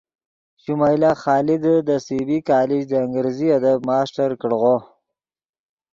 شمائلہ خادے دے سی بی کالج دے انگریزی ادب ماسٹر کڑغو